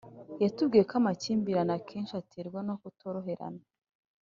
yatubwiye ko amakimbirane akenshi aterwa no kutoroherana